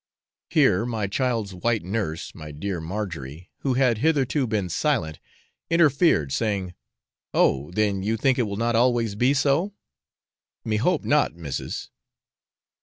Here my child's white nurse, my dear Margery, who had hitherto been silent, interfered, saying, 'Oh, then you think it will not always be so?' 'Me hope not, missis.'